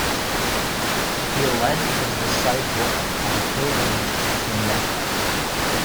He led his disciples on a pilgrimage to Mecca.